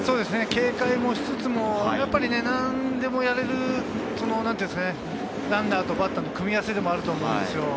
警戒しつつも何でもやれるランナーとバッターの組み合わせでもあると思うんですよ。